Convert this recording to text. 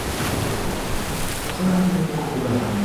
La zona está muy poco poblada.